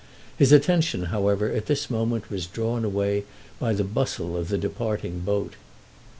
His attention however at this moment was drawn away by the bustle of the departing boat.